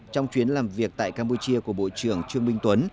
trong chuyến làm việc tại campuchia của bộ trưởng trương minh tuấn